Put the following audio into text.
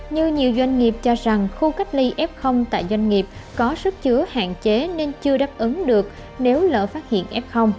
như nhiều doanh nghiệp cho rằng khu cách ly f tại doanh nghiệp có sức chứa hạn chế nên chưa đáp ứng được nếu lỡ phát hiện f